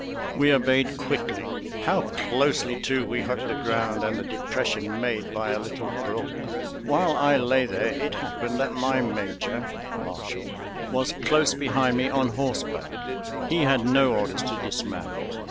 We obeyed quickly. How closely, too, we hugged the ground and the depression made by a little brook! While I lay there it happened that my major (Marshall) was close behind me on horseback. He had no orders to dismount.